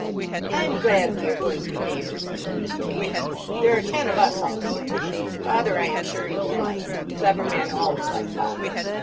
"I am glad we are going to be neighbours," said Miss Janie. "There are ten of us altogether. Father, I am sure, you will like; clever men always like father.